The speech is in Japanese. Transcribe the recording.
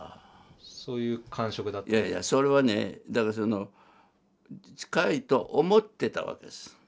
いやいやそれはねだからその近いと思ってたわけです。